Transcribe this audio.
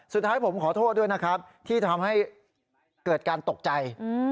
สุดท้ายผมขอโทษด้วยนะครับที่ทำให้เกิดการตกใจ